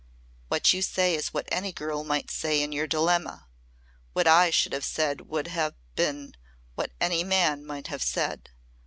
What you say is what any girl might say in your dilemma, what I should have said would have been what any man might have said.